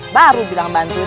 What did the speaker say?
baru bilang bantuin